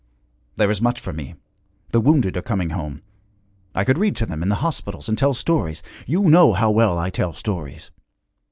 'There is much for me. The wounded are coming home; I could read to them in the hospitals, and tell stories you know how well I tell stories.